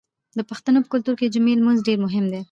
د پښتنو په کلتور کې د جمعې لمونځ ډیر مهم دی.